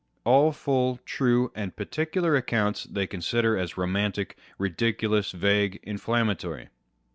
All full, true, and particular accounts they consider as romantic, ridiculous, vague, inflammatory.